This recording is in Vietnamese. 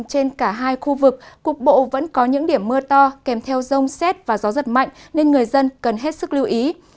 trên cả hai khu vực cục bộ vẫn có những điểm mưa to kèm theo rông xét và gió giật mạnh nên người dân cần hết sức lưu ý